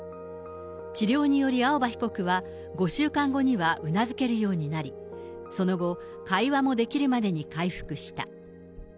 治療により、青葉被告は５週間後にはうなずけるようになり、その後、会話もできるまでに回復した。